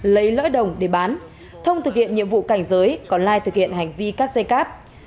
lấy lõi đồng để bán thông thực hiện nhiệm vụ cảnh giới còn lai thực hiện hành vi cắt dây cáp